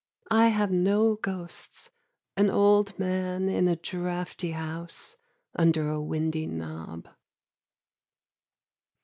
I have no ghosts, An old man in a draughty house Under a windy knob.